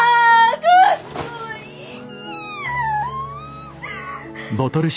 かっこいい！